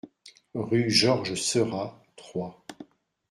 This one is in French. Rue Georges Seurat, Troyes